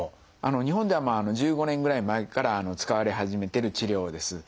日本では１５年ぐらい前から使われ始めてる治療です。